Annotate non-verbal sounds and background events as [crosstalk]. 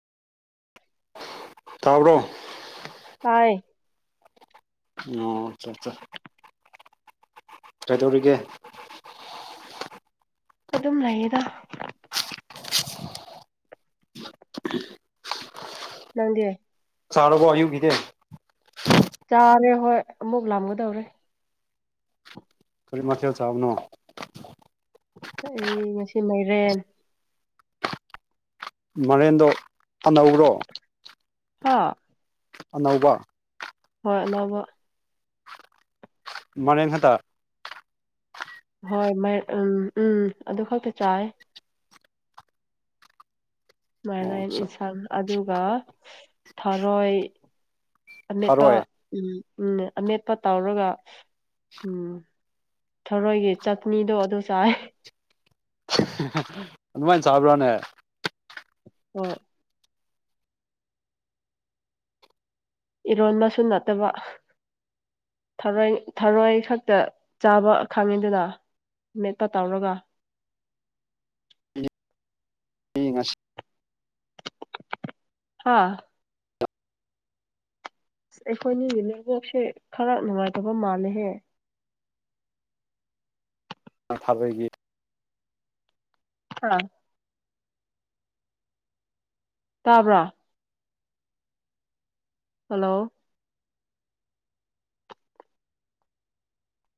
ꯇꯥꯕ꯭ꯔꯣ ꯍꯥꯏ ꯑꯣ ꯑꯆꯥ ꯆꯥ ꯀꯥꯏꯗꯧꯔꯤꯒꯦ ꯑꯗꯨꯝ ꯂꯩꯌꯦꯗ [inaudible] ꯎ ꯅꯪꯗꯤ ꯆꯥꯔꯕꯣ ꯑꯌꯨꯛꯀꯤꯗꯤ ꯆꯥꯔꯦ ꯍꯣꯏ ꯑꯃꯨꯛ ꯂꯥꯝꯒꯗꯧꯔꯦ ꯀꯔꯤ ꯃꯊꯦꯜ ꯆꯥꯕꯅꯣ ꯑꯩ ꯉꯁꯤ ꯃꯥꯏꯔꯦꯟ ꯃꯥꯏꯔꯦꯟꯗꯣ ꯑꯅꯧꯕꯔꯣ ꯍꯥꯥ ꯑꯅꯧꯕ ꯍꯣꯏ ꯑꯅꯧꯕ ꯃꯥꯏꯔꯦꯟ ꯈꯇꯥ ꯍꯣꯏ ꯎꯝ ꯎꯝ ꯑꯗꯨ ꯈꯛꯇ ꯆꯥꯏ ꯑꯣ ꯃꯥꯏꯔꯦꯟ ꯏꯟꯁꯥꯡ ꯑꯗꯨꯒ ꯊꯔꯣꯏ ꯑꯃꯦꯠꯄ ꯊꯥꯔꯣꯏ ꯎꯝ ꯎꯝ ꯑꯃꯦꯠꯄ ꯇꯥꯎꯔꯒ ꯎꯝ ꯊꯔꯣꯏꯒꯤ ꯆꯠꯅꯤꯗꯣ ꯑꯗꯨ ꯆꯥꯏ [unintelligible] ꯑꯗꯨꯃꯥꯏꯅ ꯆꯥꯕ꯭ꯔꯥꯅꯦ ꯍꯣꯏ ꯏꯔꯣꯟꯕꯁꯨ ꯅꯠꯇꯕ ꯊꯔꯣꯏ ꯊꯔꯣꯏ ꯈꯛꯇ ꯆꯥꯕ ꯈꯪꯉꯤꯗꯅ ꯃꯦꯛꯇ ꯇꯧꯔꯒ [inaudible] ꯍꯥꯥ ꯑ ꯑꯩꯈꯣꯏꯅꯤ ꯅꯦꯠꯋꯥꯛꯁꯦ ꯈꯔ ꯅꯨꯡꯉꯥꯏꯇꯕ ꯃꯥꯜꯂꯦꯍꯦ [unintelligible] ꯊꯥꯕꯣꯏꯒꯤ ꯑꯥ ꯇꯥꯕ꯭ꯔꯥ ꯍꯜꯂꯣ